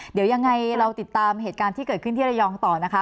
เดี๋ยวยังไงเราติดตามเหตุการณ์ที่เกิดขึ้นที่ระยองต่อนะคะ